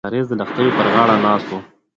د کاریز د لښتیو پر غاړه ناست وو.